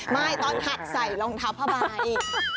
ไม่ตอนหัดใส่รองเท้าผ้าใบ